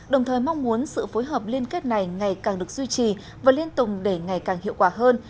đồng thời mong muốn sự phối hợp liên kết này ngày càng được duy trì và liên tùng để ngày càng hiệu quả hơn